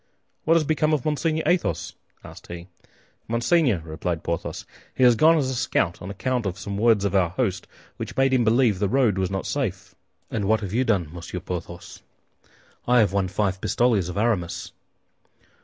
"What has become of Monseigneur Athos?" asked he. "Monseigneur," replied Porthos, "he has gone as a scout, on account of some words of our host, which made him believe the road was not safe." "And you, what have you done, Monsieur Porthos?" "I have won five pistoles of Aramis."